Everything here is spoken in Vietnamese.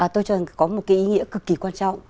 tôi cho rằng có một cái ý nghĩa cực kỳ quan trọng